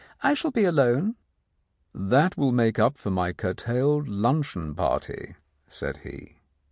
"I shall be alone." "That will make up for my curtailed luncheon party," said he.